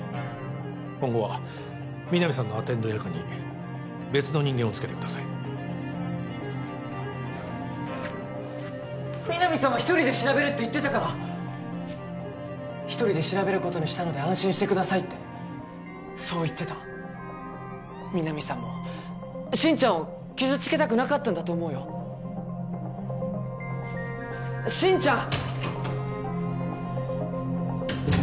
今後は皆実さんのアテンド役に別の人間をつけてください皆実さんは一人で調べるって言ってたから一人で調べることにしたので安心してくださいってそう言ってた皆実さんも心ちゃんを傷つけたくなかったんだと思うよ心ちゃん！